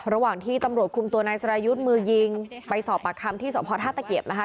ระหว่างที่ตำรวจคุมตัวนายสรายุทธ์มือยิงไปสอบปากคำที่สพท่าตะเกียบนะคะ